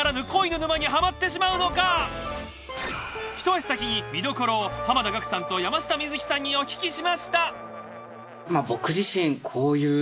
一足先に見どころを濱田岳さんと山下美月さんにお聞きしました。